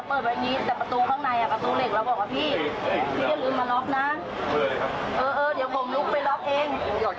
เออเดี๋ยวผมลุกไปล็อคเอง